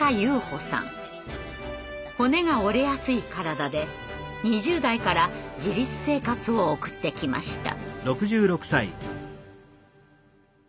骨が折れやすい体で２０代から自立生活を送ってきました。